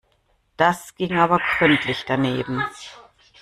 Das ging aber gründlich daneben.